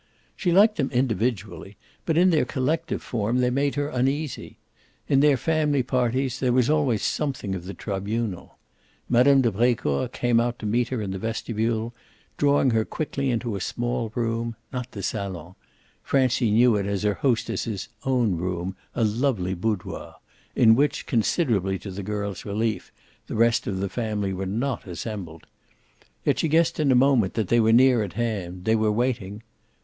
She liked them individually, but in their collective form they made her uneasy. In their family parties there was always something of the tribunal. Mme. de Brecourt came out to meet her in the vestibule, drawing her quickly into a small room not the salon; Francie knew it as her hostess's "own room," a lovely boudoir in which, considerably to the girl's relief, the rest of the family were not assembled. Yet she guessed in a moment that they were near at hand they were waiting.